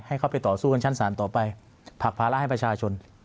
ให้เขาไปต่อสู้กันชั้นศาลต่อไปผลักภาระให้ประชาชน